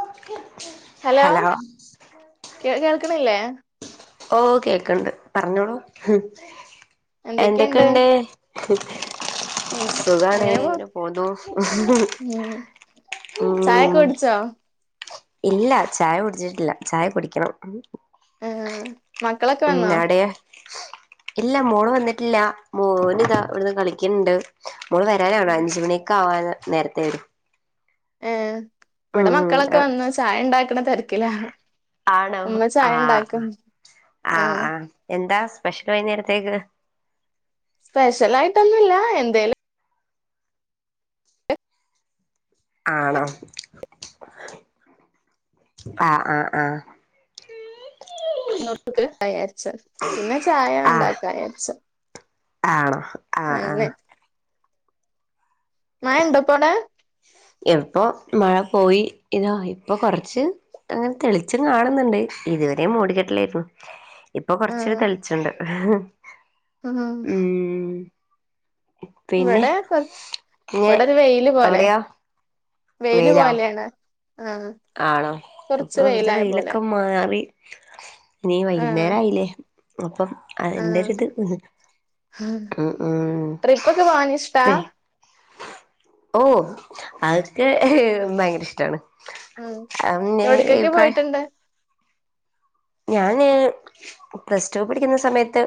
Okay hello കേ കേൾ കേക്കണില്ലേ ഓ കേക്കണുണ്ട്, പറഞ്ഞോളൂ എന്തൊക്കെയുണ്ട് ഉം [inaudible] സുഖാണ് അങ്ങനെ പോ ഇങ്ങനെ പൊന്നു ഉം ചായൊക്കെ ഉം കുടിച്ചോ ഇല്ല ചായ കുടിച്ചിട്ടില്ല ചായ കുടിക്കണം ആഹ മക്കളൊക്കെ ഉം വന്നോ? അവിടെയോ ഇല്ല മോള് വന്നിട്ടില്ല മോനിതാ ഇവിടുന്ന് കളിക്കുന്നുണ്ട് മോൾ വരാനാവണ് അഞ്ച് മണിയൊക്കാവാൻ നേരത്തെ വരും ഏഹ് ഇവിടെ ഉം മക്കളൊക്കെ വന്ന് ചായ ഉണ്ടാക്കി തിരക്കിലാ ആണോ ഉമ്മ ചായ ആഹ ഉണ്ടാക്കും ആഹ ആഹ് ആഹ എന്താ ഭക്ഷണം വൈന്നേരത്തേക്ക് സ്പെഷ്യൽ ആയിട്ടൊന്നുല്ല എന്തേലും ആണോ ആഹ ആഹ ആഹ നൂൽപ്പുട്ട് ഉണ്ടാക്ക വിചാരിച്ച് പിന്നെ ചായ ഉണ്ടാക്കവിചാരിച്ച് ആണ് ആയിൻവേ മഴയുണ്ടോപ്പവിടെ? എപ്പൊ മഴ പോയി ഇതാ ഇപ്പൊ കൊറച്ച് അങ്ങനെ തെളിച്ചം കാണുന്നുണ്ട് ഇതുവരെ മൂടിക്കെട്ടലായിരുന്നു ഇപ്പൊ കൊറചൊര് തെളിച്ചണ്ട് ഹിഹി ആഹ പിന്നെ ഇവിടെ കൊ [unintelligible] ര് ഇവിടെരു വെയില് പോലെ അവിടെയൊ? വെയില് പോലെയാണ് ആഹ് ആണോ കൊറച്ച് ഇപ്പൊ ഇവിടത്തെ വെയിലായ പോലെ വെയിലൊക്കെ മാറി ഇനി ആഹ് വൈകുന്നേരം ആയില്ലേ അപ്പം അതിൻ്റെ ആഹ് ഒരിത് ഉം ഉം ട്രിപ്പ് ഒക്കെ പോവാൻ ഇഷ്ടാ ഓ അതക്കെ ബയങ്കര ഇഷ്ടാണ് ഉം എവിടെക്കൊക്കെ ഞാൻ പോയിട്ടുണ്ട് ഞാന് പ്ലസ്ടു പഠിക്കുന്ന സമയത്ത്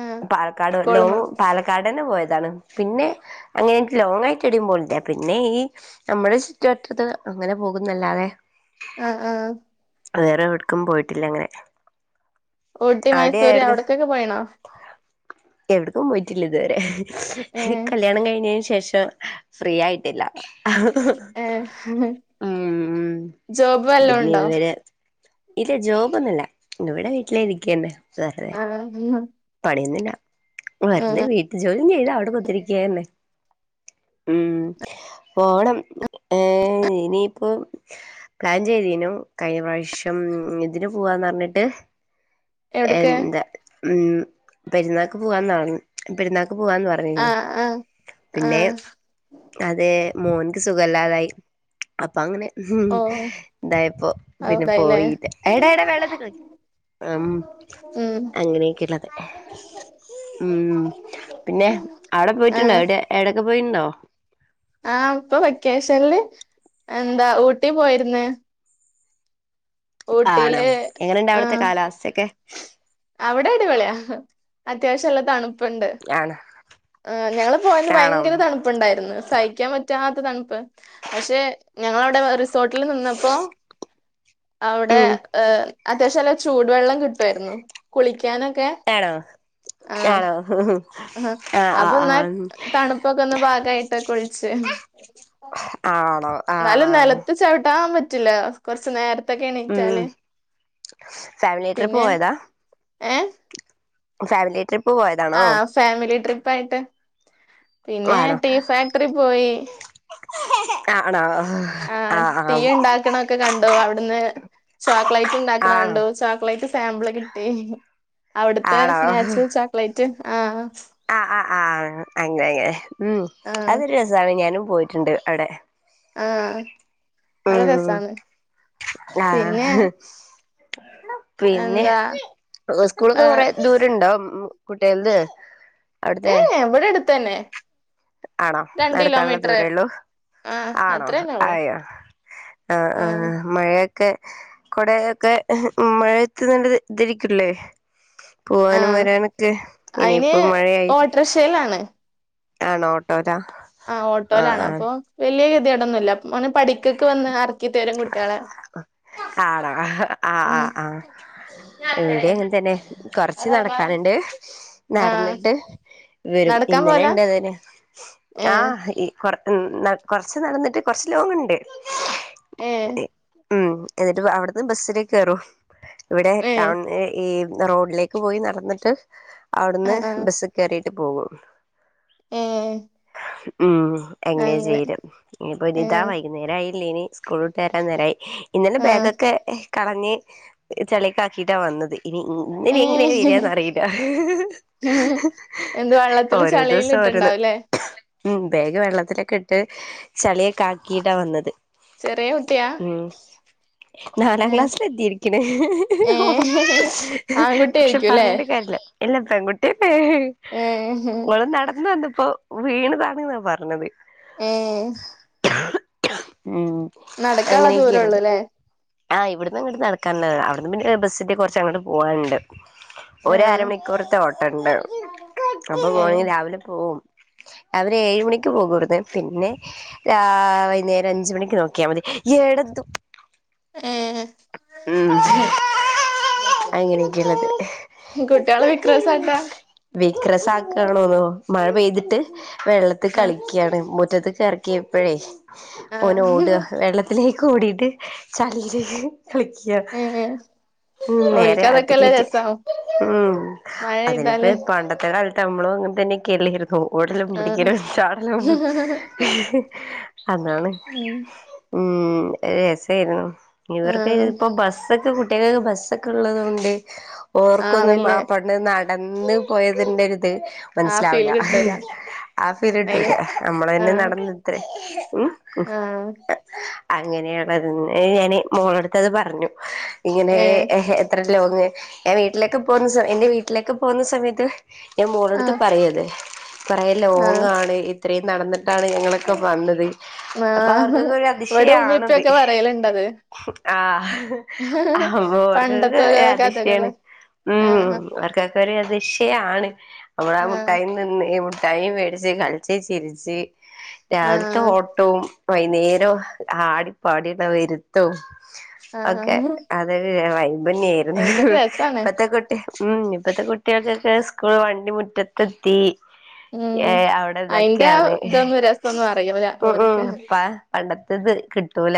ആ പാലക്കാട് സ്കൂളിന്നോ ലോങ് പാലക്കാട് തന്നെ പോയത് താണ് പിന്നെ അങ്ങനെ ലോങ് ആയിട്ട് എവിടെയും പോലില്ല പിന്നെ ഈ നമ്മുടെ ചുറ്റുവട്ടത്ത് അങ്ങനെ പോകുന്നല്ലാതെ ആ ആ വേറെവിടെ ക്കും പോയിട്ടില്ല അങ്ങനെ ഊട്ടി അവിടെ മൈസൂര് എവിട അവിട്ക്കൊക്കെ പോയീണോ എവിടക്കും പോയിട്ടില്ല ഇതുവരെ ഏ കല്ല്യാണം കയിഞ്ഞയിനു ശേ ശേഷം ഫ്രീ ആയിട്ടില്ല ഏഹ് ഉം ജോബ് വല്ലോം പിന്നെ ഉണ്ടോ ഇവര് ഇല്ല ജോബ് ഒന്നുവില്ല പിവിടെ വീ ട്ടിലിരിക്കണ്ടേ ആണോ ഉം പണിയൊന്നുവില്ല വെറുതെ വീട്ടി ജോലിയും ചെയ്ത അവിടെ കുത്തിരിക്ക തന്നെ ഉം പോണം ഏഹ് ഇനിയിപ്പം പ്ലാൻ ചെയ്തീനു കയിഞ്ഞ പ്രാവശ്യം ഉം ഇതിന് പോവാന്ന് പറഞ്ഞിട്ട് എവിടക്ക് എന്താ ഉം പെരുന്നാക്ക് പോവാന്നാണ് പെരുന്നാ ക്ക് പോവാന്ന് ആ പറഞ്ഞിരുന്നു ആ ആ പിന്നെ അതേ മോന്ക്ക് സുഖവല്ലാതായി അപ്പൊ അങ്ങനെ ഉം ഓ ഇതായിപ്പോ പിന്നെ അതായില്ലേ പോയില്ലാ എട എടാ വെള്ളത്തിക്കളി മം ഉം അങ്ങനെയൊക്കെള്ളത് ഉം പിന്നെ അവിടെ ആ പോയിട്ടുണ്ടോ എവിടെ എവിടൊക്കെ പോയിണ്ടോ? ആ ഇപ്പൊ വെക്കേഷനില് എന്താ ഊട്ടി പോയിരുന്ന്. ആണോ ഊട്ടിയില് എങ്ങനുണ്ട് ആ അവിടുത്തെ കാലാവസ്ഥയക്കെ? അവിടെ അടിപൊളിയാ അത്യാവശ്യം നല്ല തണു പ്പൊണ്ട്. ആണോ ആ ഞങ്ങള് പോയന്ന് ആണോ ഭയങ്കര തണുപ്പുണ്ടായിരുന്ന്. സഹിക്കാൻ പറ്റാത്ത തണുപ്പ് പക്ഷെ ഞങ്ങളവിടെ റിസോർട്ടിൽ നിന്നപ്പോ അവിടെ ഉം ആ അത്യാവശ്യംല്ല ചൂടുവെള്ളം കിട്ടുമായിരുന്നു കുളി ആണോ ആണോ ആ ആ അപ്പൊ ആ എന്നാ തണുപ്പൊക്കെ ഒന്ന് ഭാഗമായിട്ടൊക്കെ കുളിച് [unintelligible] ആണോ? ആ ന്നാലും ആ നിലത്തു ചവുട്ടാ കത്താൻ പറ്റില്ല കുറച്ച് നേര ഉം ഫാമിലി ട്രിപ്പ് പിന്നെ പോയതാ. Family trip. ആ ഫാമിലി ട്രിപ്പ് പ്പായിട്ട്. പിന്നെ ടീ ഫാക്ടറി പോയി. കാണാവോ. ആ ടീ ഉണ്ടാക്കണെ ഒക്കെ കണ് ഓ അവിടുന്ന് ചോക്ലേ റ്റുണ്ടാക്കണെ ആണോ കണ്ടു ചോക്ലേറ്റ്. സാമ്പിള് കിട്ടി. അവിടുത്തെ നാച്ചുറൽ ചോക്ലേറ്റ്. ആഹ്. ആഹ് ആഹ് ആഹ് അങ്ങനെ ങ്ങനെ ഉം ആഹ് അതൊരു രസമാണ് ഞാനും. പോയിട്ടുണ്ട് അവിടെ. ആഹ് നല്ല ഉം രസാണ് ആ പിന്നെ പിന്നെ എന്താ സ്കൂള്ക്ക് കൊറ ഏഹ് ദൂരം ണ്ടോ മ്മ് കുട്ട്യാൾക്ക് ഏഹ് ഇവിടെട്ത്തന്നെ ആണോ നടക്കാനുള്ള ദൂരേള്ളൂ ആഹ് ആണോ അത്രന്നെ ഉള്ളു അയ്യോ ആ ആഹ് മഴയൊ ക്കെ കൊടയൊക്കെ മഴത്ത് ഇത് രിക്കുംലെ പോവാനും ആഹ് വരാനൊക്കെ അയിന് ഇനിയിപ്പൊ മഴയായി ഓട്ടോറിക്ഷയിലാണ് ആണോ ഓട്ടോലാ ആ ആഹ് ഓട്ടോയിലാണ് ആഹ് അപ്പൊ വലിയ നെ പഠിക്കൊക്ക് വന്ന് [unintelligible] കുട്ടികളെ ആട ആ ആ ഉം ആ എവിടെ എങ്ങനെ തന്നെ കൊറച്ച് നടക്കാനുണ്ട് ആഹ് നടന്നിട്ട് വരും നടക്കാൻ ഇന്നലെ പോവലാ ഇണ്ട് അതിന് ആ ഏഹ് ഈ കൊറ ഉം കുറച്ച് നടന്നിട്ട് കുറച്ച് ലോങ്ങുണ്ട് ഏഹ് [unintelligible] ഉം എന്നിട്ട് അവിടുന്ന് ബസ്സിലേ കേറോ ഇവിടെ ഏഹ് ടൗൺ ഈ ഏ റോഡിലേക്ക് പോയി നടന്നിട്ട് ആ അവിടുന്ന് ആ ബസ് കയറി പോകും ഏ ഹ് ഉം എങ്ങനെയാണ് ചെയ്യല് ഇനിപ്പോ ഇ ഏ ഇതാ വൈകുന്നേരം ആയി ലിനി സ്‌കൂൾട്ടരാൻ നേരായി ഇന്നലെ ആ ബാഗൊക്കെ കളഞ്ഞ് ചെളിക്കാക്കീട്ടാ വന്നത് ഇനി ഇങ്ങനെ ഏ എങ്ങനെയാ വരിന്നറിയില്ല എന്ത് വെള്ളത്തില് ഓരോ ചളിയില് ദിവസം ഓരോന്ന് ഇട്ടുണ്ടാവുംല്ലേ ഉം ബേഗ്‌ വെള്ളത്തിലൊക്കെ ഇട്ട് ചളിയൊക്കെ ആക്കിട്ടാ വന്നത് ചെറിയ കുട്ടിയാ ഉം നാലാം ഏ ക്ലാസ്സിൽ എത്തിയിരിക്കണ് ഏ ആൺകുട്ടി പക്ഷെ ആയിരിക്കുംല്ലേ പറഞ്ഞിട്ട് കാര്യല്ല അല്ലാ പെൺകുട്ടിയാ ഏ ഏഹ് അപ്പൊ വീണതാണ് എന്നാ പറഞ്ഞത് ഉഏഹ് ഉം നടക്കാനുള്ള ദൂരള്ളുല്ലേ ആ ഇവിടന്നങ്ങ് നടക്കാൻ അവിടന്ന് പിന്നെ ബസ്സിന്റെ കുറച്ച് അങ്ങോട്ട് പോകാനുണ്ട് ഒ ആ അരമണിക്കൂറിത്തെ ഓട്ടമുണ്ട് അപ്പൊ ഏ പോണെങ്കിൽ രാവിലെ പോകും അവര് ഏഴ് മണിക്ക് പോകും ഇവിടെ നിന്ന് പിന്നെ ആ വൈകുന്നേരം അഞ്ച് മണിക്ക് നോക്കിയാൽ മതി ഇടത്തും ഏ ഉം [unintelligible] അങ്ങനെയൊക്കെയള്ളത് കുട്ടികള് വിക്രസാട്ടാ വിക്രസാക്കാണോന്നോ മഴ പെയ്തിട്ട് വെള്ളത്തി ആ കളിക്ക്യാണ് മുറ്റ് മുറ്റത്ത്ക്ക് എറക്ക്യേപ്പെഴേ ആ ഓനോട വെള്ളത്തിലേക്ക് കൂടീട്ട് തല്ല് കളിക്ക്യ ഏ ഉം നേരെ ഓൽക്ക് അതൊക്കെല്ലേ അത്ത്കേറ്റി രസം ഉം മഴ അതിനിപ്പ പെയ്താല് പണ്ടത്തെ [unintelligible] നമ്മളും അങ്ങനെ തന്നേക്ക അല്ലേര് ഓടലും, ആ പിടിക്കലും, ചാടലും. അതാണ് ഉം മ്ഹ് രസായിരുന്നു. ആ ഇവർക്ക് ഇപ്പൊ ബസ്സൊക്കെ [unintelligible] [unintelligible] ബസ്സൊക്കെ ഉള്ളത് കൊണ്ടേ ആ ഓർക്കൊന്നും വല്യ [unintelligible] [unintelligible] പോയതിന്റെ ഒരിത് ആ മനസ്സിലാവില്ല ഫീല് കിട്ടൂല ആ ഫീല് അയിന് കിട്ടൂല നമ്മൾ തന്നെ ആഹ് നടന്ന് ഇത്രേ ഉം ആഹ് അങ്ങനെയാണ് [unintelligible] [unintelligible] ഞാന് മോളെടുത്ത് അത് പറഞ്ഞു ഇങ്ങനെ ഏഹ് എത്ര [unintelligible] ഞാൻ വീട്ടിലൊക്കെ പോകുന്ന സ എന്റെ വീട്ടിലേക്കെ പോകുന്ന സമയത്ത് ഞാൻ മോളടുത്ത് ആഹ് പറയും അത് ഇത്തറേം ലോങ്ങ് ആഹ് ആണ് ഇത്രയും നടന്നിട്ടാണ് ഞങ്ങളൊക്കെ വന്നത്. അപ്പൊ ആഹ് അവർക്കൊക്കെ ഒരു ഇവിടെ ഉമ്മേം അതിശയാണത് ഉപ്പേക്ക പറയലി ആഹ് അപ്പ ഓർക്കക്കെ പണ്ടത്തെ ഓരോ ഒരു കഥകള് അതിശയാണ് ഉം ആഹ് അവർക്കെ [unintelligible] നമ്മടെ ആ ആഹ് മിഠായിം തിന്ന് ഇവുടു - മിഠായിം വേടിച്ച് കളിച്ച് ചിരിച്ച്- രാവിലത്തെ ആഹ് ഓട്ടവും വൈകുന്നേരം ആടിപ്പാടി ആ വരുത്തോം ഓക്കെ ആഹ് അതൊരു വൈ- ബന്നേയിരുന്നു ഭയങ്കര രസാണ് ഇപ്പത്തെക്കുട്ടി ഉം ഇപ്പത്തെ കുട്ടികൾക്കൊക്കെ സ്കൂൾ വണ്ടി മുറ്റത്തെത്തി ഉം ഏ അവിടെ അയിന്റെ ആ ഇതൊക്കെയാണ് ഇതൊന്നും രസൊന്നും അറിയൂല ഉം ഉം ഓര്ക്ക് അപ്പ പണ്ടത്തെ- ഇത് ഇത് കിട്ടൂല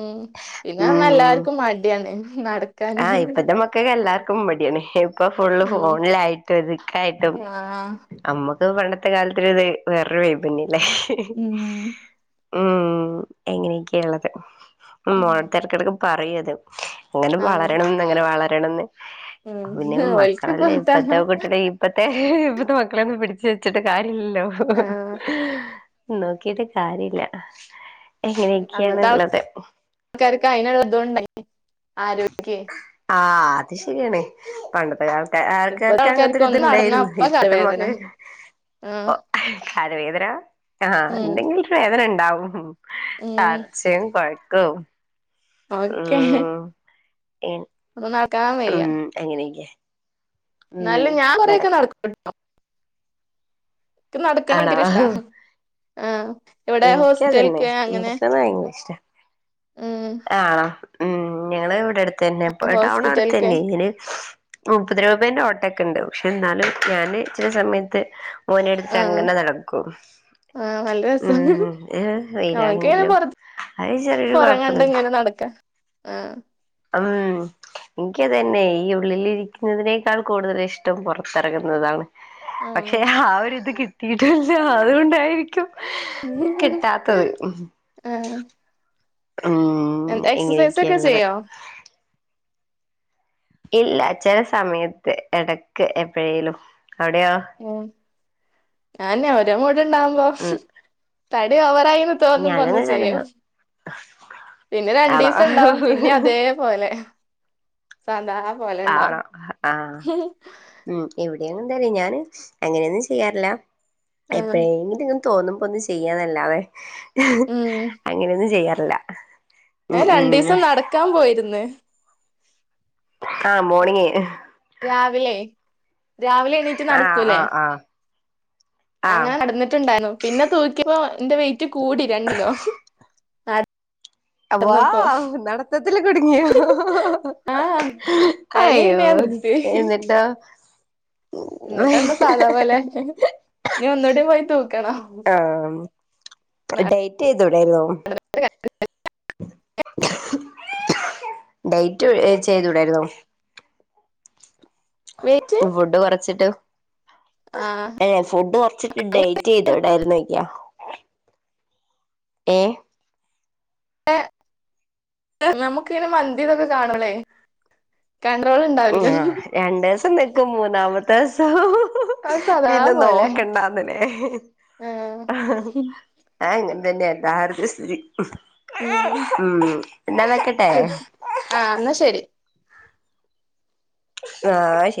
ഉം പിന്നെ എല്ലാവർക്കും മടിയാണ് നടക്കാന് ആ ഇപ്പത്തെ മക്കക്കെല്ലാർക്കും മടിയാണ് ഇപ്പൊ ഫുള്ള് ഉം ഫോണിലായിട്ടും ഇതക്കായിട്ടും ആഹ് നമ്മ തും പണ്ടത്തെ കാലത്തിലത് വേറൊരു വൈബന്നേ. ല്ലേ ഉം ഉം എങ്ങനെയെക്കെയ ഉള്ളത്. മോളെത്തെടക്കിടക്ക് പറയാം അത് അങ്ങ് - ആഹ് വളരണമെന്ന് അങ്ങനെ വള രണംന്ന് ഉം ഓൽക്ക്പ്പൊ ഇപ്പത്തെ [unintelligible] കുട്ടികളെ ഇപ്പത്തെ ഇപ്പത്തെ മക്കളെ ഒന്ന് പിടിച്ച് വെച്ചിട്ട് കാരി ഇല്ലോ ആഹ് നോക്കീട്ട് കാര്യല്ല. അന്നത്തെ എങ്ങനെയൊക്കെയാണ്ള്ളത് ആൾക്കാർക്ക് അയിനുള്ള ഇതും ഉണ്ടായിനി ആരോഗ്യേ ആ അത് ശരിയാണ് പണ്ടത്തെ കാല ട്ട ഇപ്പത്തെ ആൾക്കാർക്ക് അങ്ങനഞ്ഞ ഒന്ന് നടന്നാ ഒരിത്ണ്ടായിരുന്നു അപ്പ ഇപ്പത്തെ കാലുവേദന മക്കക്ക് ആഹ് ഒ ആരോഗ്യപരാ ആ ഉം എന്തെങ്കിലും ഒരു വേദനി ണ്ടാവും. ഉം തർച്ചേം കൊ [unintelligible] ഓക്കെ. ഇൻ ഒന്ന് നടക്കാൻ വയ്യ. ഉം എന്നാലും ഞാൻ കുറേയൊക്കെ നടക്ക നടക്കൂട്ടോ. ഇക്ക് നടക്കണ ആണോ ഭയങ്കര ഇഷ്ടാ ആഹ് ഇവിടെ എനിക്കതന്നെ ഹോസ്പിറ്റൽക്ക് അങ്ങനെ നടക്കുന്നത് ഭയങ്കര ഇഷ്ട്ടാ ഉം ആഹ് ഉം ഞങ്ങള് ഇവിടട് ത്തന്നെ ഇപ്പൊ ടൗണടുത്ത് ഹോസ്പിറ്റൽക്ക് തന്നെ ഇതിന് മുപ്പത് രൂപേന്റെ ഓട്ടൊക്കെ എണ്ട് പക്ഷെ എന്നാലും ഞാന് ചില സമയത്ത് മോനെ എടുത്ത് ആഹ് അങ്ങനെ നടക്കും. ഉം ഏ, നമക്ക് ഇങ്ങനെ വെയിലാണെങ്കിലും പുറത്ത് അത് ചെറിയൊരു പുറം കണ്ട് കുഴപ്പൊന്നുമില്ല ഇങ്ങനെ നടക്കാ ആഹ് ഉം ഇൻക്കത് തന്നെ ഈ ഉള്ളിലിരിക്കുന്നതിനേക്കാൾ കൂടുതലിഷ്ടം പുറത്തിറങ്ങുന്നതാണ്. പക്ഷെ ആഹ് ആഒരിത് കി ഇട് ല്ല അതുകൊണ്ടായിരി കിട്ടാത്തത് ഉം എന്ത് എക്സസൈസ് ഒക്കെ ഇങ്ങനെയൊക്കെയുള്ളത് ചെയ്യോ? ഇല്ല ചെലസമയത്ത് എടക്ക് എപ്പഴേലും. ഉം [unintelligible] കൂടെ ണ്ടാവുമ്പോ ഉം തടി ഓവറായി തോന്നുമ്പന്നു ഞാനങ്ങനെ തന്നെ ചെയ്യും പിന്നെ ആണോ രണ്ടീസണ്ടാവും പിന്നിം അതേപോലെ സ ആണോ ആഹ് ഉം എവി ന്തരി ഞാന് അങ്ങനെയൊന്നും ചെയ്യാറില്ല ആഹ് എപ്പയെങ്കിലും തോന്നുമ്പോന്ന് ചെയ്യാനല്ലാതെ ഉം അങ്ങനെയൊന്നു ചെയ്യാറ് ല്ല ഞാൻ രണ്ടീസം നടക്കാൻ പോയിര്ന്ന് ആഹ് മോർണിങയ് രാവിലെ രാവിലെ എണീറ്റ് ആ നട്ക്കൂലേ ആ ആ ആ അങ്ങനെ നടന്നിട്ട്ണ്ടായിന്നു പിന്നെ തൂക്കിയപ്പോ എന്റെ വെയ് റ്റ് കൂടി രണ്ട് കിലോ. അ നടന്നപ്പോ വൗ നടത്തത്തിൽ കുടുങ്ങിയോ ആഹ് അയില് അയ്യോ പിന്നെ എന്നിട്ടോ? ആ ന്നിട്ടെന്താ സാധാ പോലെ ഇനി ഒന്നൂടി പോയി തൂക്കണം. ആഹ് ഡേറ്റിതുഡാന്നോ? ഡേറ്റ് ചെയ്തുടായിരുന്നോ? വെയിറ്റ് ഫുഡ് കുറച്ചിട്ട്. ആഹ് ഏ ഫുഡ് കൊർച്ചിട്ട് ഡേറ്റ്യ്തുഡാർന്നോയ്ക്ക. ഏ [unintelligible] നമുക്കിങ്ങനെ മന്തിതൊക്കെ [inaudible] ആ രണ്ട് ദിവസം നിക്കും മൂന്നാമത്തെ ദിവസം അത് സാധാ പിന്നെ പോലെ നോക്കണ്ടന്നല്ലേ ആഹ് അതിങ്ങനെതന്നെയാ എല്ലാരും ഉം [unintelligible] ഉം പിന്നാ വെക്കട്ടെ ആഹ് എന്നാ ശരി ആഹ് ശരി